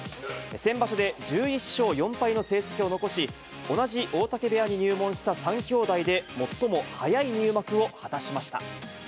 先場所で１１勝４敗の成績を残し、同じ大嶽部屋に入門した３兄弟で最も速い入幕を果たしました。